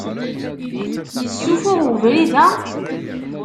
Issufuɣ ubrid-a?